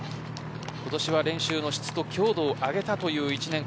今年は練習の質と強度を上げたという１年間。